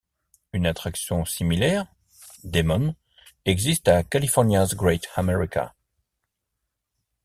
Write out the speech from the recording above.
Une attraction similaire, Demon, existe à California's Great America.